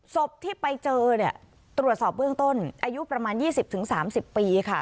สบที่ไปเจอเนี่ยตรวจสอบเบื้องต้นอายุประมาณยี่สิบถึงสามสิบปีค่ะ